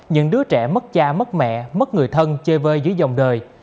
những đứa trẻ mất cha mất mẹ mất người thân chơi vơi dưới dòng đời